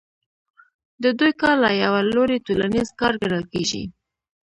د دوی کار له یوه لوري ټولنیز کار ګڼل کېږي